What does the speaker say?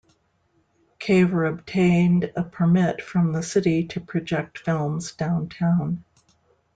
Caver obtained a permit from the city to project films downtown.